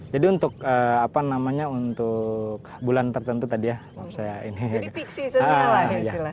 jadi untuk apa namanya untuk bulan tertentu tadi ya